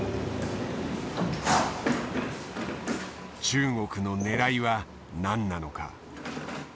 中国のねらいは何なのか？